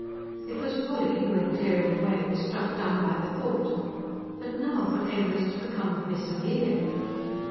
It was Polly who, in clearing away, was struck dumb by the thought: "But now whatever is to become of Miss Amelia?"